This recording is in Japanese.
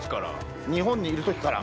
日本にいる時から。